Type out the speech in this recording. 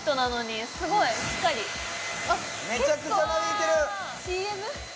あっ結構めちゃくちゃなびいてる！